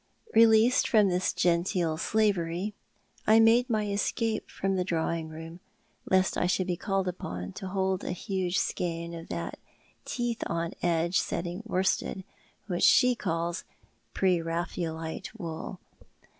Eeleased from this genteel slavery, I made my escape from the drawing room, lest I should be called upon to hold a huge skein of that teeth on edge setting worsted which she calls Pre Raphaelite wool.